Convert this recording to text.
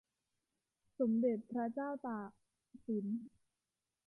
สมเด็จพระเจ้าตากสิน